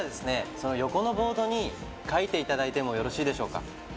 その横のボードに書いていただいてもよろしいでしょうか？